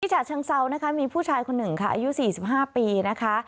ฉะเชิงเซานะคะมีผู้ชายคนหนึ่งค่ะอายุ๔๕ปีนะคะ